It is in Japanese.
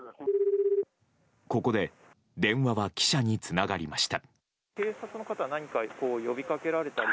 ここで電話は記者につながりました。